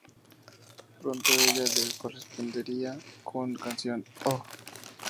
Pronto ella le correspondería con la canción "Oh!